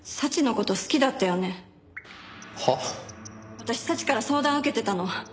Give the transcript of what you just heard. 私早智から相談受けてたの。